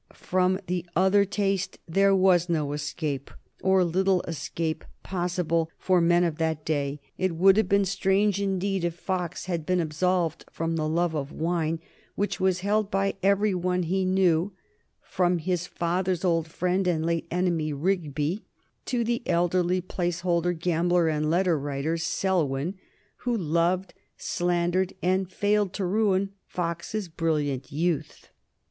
From the other taste there was no escape, or little escape, possible for the men of that day. It would have been strange indeed if Fox had been absolved from the love of wine, which was held by every one he knew, from his father's old friend and late enemy Rigby to the elderly place holder, gambler, and letter writer Selwyn, who loved, slandered, and failed to ruin Fox's brilliant youth.